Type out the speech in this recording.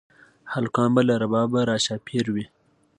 هلکان به له ربابه راچاپېر وي